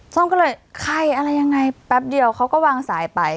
ส้มก็เลยใครอะไรยังไงแป๊บเดียวเขาก็วางสายไป